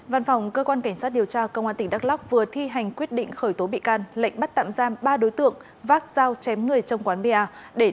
văn phòng cơ quan cảnh sát điều tra công an tp hcm vừa thi hành quyết định khởi tố bị can lệnh bắt tạm giam ba đối tượng vác giao chém người trong quán pa